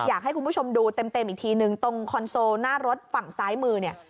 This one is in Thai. อยากให้คุณผู้ชมดูเต็มอีกทีนึงตรงคอนโซลหน้ารถฝั่งซ้ายมือเนี่ย